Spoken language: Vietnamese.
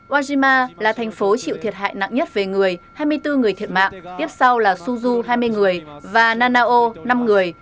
oajima là thành phố chịu thiệt hại nặng nhất về người hai mươi bốn người thiệt mạng tiếp sau là suzu hai mươi người và nanao năm người